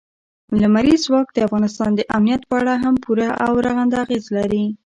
لمریز ځواک د افغانستان د امنیت په اړه هم پوره او رغنده اغېز لري.